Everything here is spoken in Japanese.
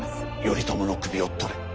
頼朝の首を取れ。